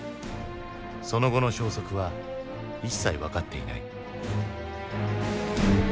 その後の消息は一切分かっていない。